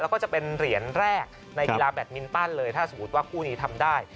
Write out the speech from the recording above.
แล้วก็จะเป็นเหรียญแรกในกีฬาแบตมินตันเลยถ้าสมมุติว่าคู่นี้ทำได้